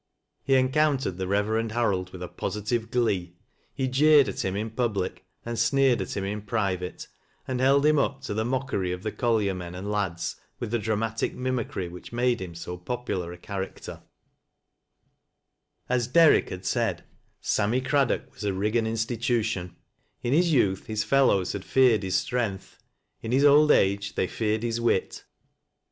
He encountered the Reverend Harold with positive glee. He jeered at him in public, (ind sneered at him in private, and held him np to the mockery of the collier men and lads, with the dramatic mimicry which ma \e him so popular a character, As Der 20 THAT LASa 0' LOWSIM'B. rick had said, Sammy Craddock was a Eiggan institution In his youtli, his fellows had feared his strength ; in hi« old age they feared his wit.